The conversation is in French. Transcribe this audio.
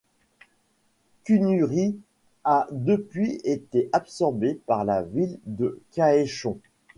Kunu-ri a depuis été absorbé par la ville de Kaechon.